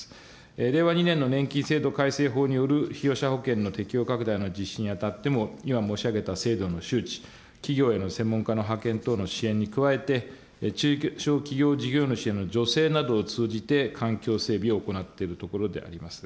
令和２年の年金制度改正法による被用者保険の適用拡大の実施にあたっても、今、申し上げた制度の周知、企業への専門家の派遣等の支援に加えて、中小企業事業主への助成などを通じて、環境整備を行っているところであります。